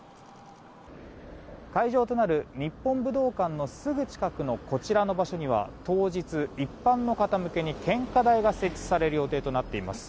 会場となる日本武道館のすぐ近くの当日一般の方向けに献花台が設置される予定となっています。